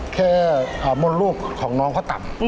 แค่มนต์ลูกของน้องเขาต่ำ